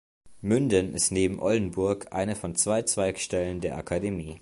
Münden ist neben Oldenburg eine von zwei Zweigstellen der Akademie.